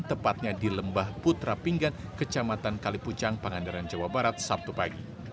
tepatnya di lembah putra pinggan kecamatan kalipucang pangandaran jawa barat sabtu pagi